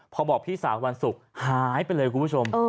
พอบอกพี่สาววันศุกร์หายไปเลยคุณผู้ชม